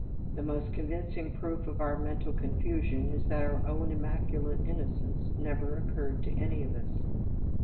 The most convincing proof of our mental confusion is that our own immaculate innocence never occurred to any of us.